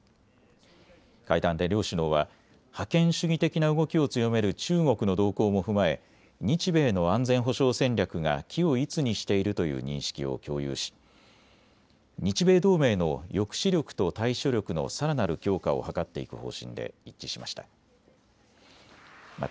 会談で両首脳は覇権主義的な動きを強める中国の動向も踏まえ日米の安全保障戦略が軌を一にしているという認識を共有し日米同盟の抑止力と対処力のさらなる強化を図っていく方針で一致しました。